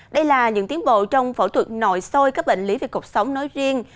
đây là những tiến bộ trong phẫu thuật nội soi các bệnh lý về cuộc sống nói riêng